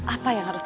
apa yang harus